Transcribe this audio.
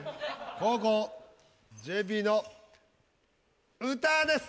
後攻ＪＰの歌です。